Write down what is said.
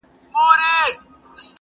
چي مي پېغلوټي د کابل ستایلې!!